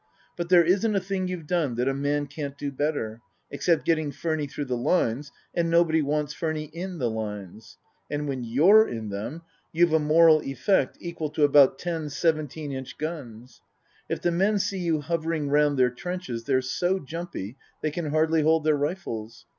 But there isn't a thing you've done yet that a man can't do better except getting Furny through the lines, and nobody wants Furny in the lines. And when you're in them 3 r ou've a moral effect equal to about ten seventeen inch guns. If the men see you hovering round their trenches they're so jumpy they can hardly hold their rifles.